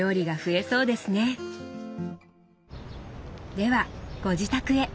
ではご自宅へ。